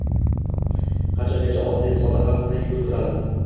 Qachongacha oddiy, sodda xalqni yugurtiradi?